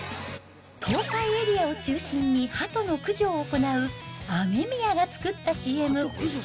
東海エリアを中心にハトの駆除を行う雨宮が作ったＣＭ。